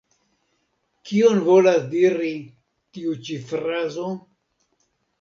Kion volas diri tiu ĉi frazo?